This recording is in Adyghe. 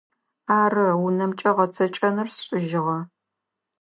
Ары, унэмкӏэ гъэцэкӏэныр сшӏыжьыгъэ.